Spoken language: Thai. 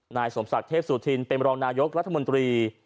นายสมศักดิ์เทพสุธินเป็นรองนายกรัฐมนตรี